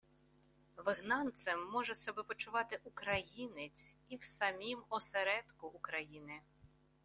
Вигнанцем може себе почувати Українець і в самім осередку України…